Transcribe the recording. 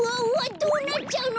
どうなっちゃうの？